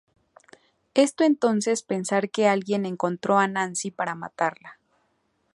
Esto entonces pensar que alguien encontró a Nancy para matarla.